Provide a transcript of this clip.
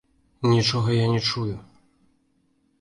Нічога я не чую.